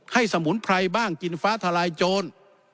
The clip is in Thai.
สมุนไพรบ้างกินฟ้าทลายโจร